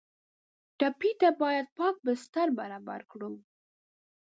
ټپي ته باید پاک بستر برابر کړو.